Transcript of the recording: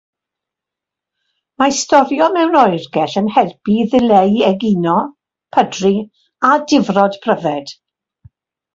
Mae storio mewn oergell yn helpu i ddileu egino, pydru a difrod pryfed.